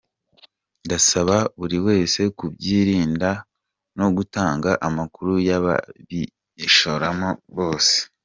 Ndasaba buri wese kubyirinda no gutanga amakuru y’ababyishoramo bose."